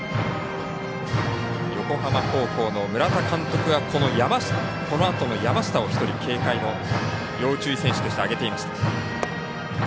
横浜高校の村田監督がこのあとの山下を一人、警戒、要注意選手として挙げていました。